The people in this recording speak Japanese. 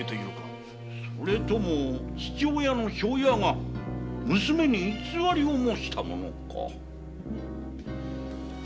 それとも父親の庄屋が娘に偽りを申したものか。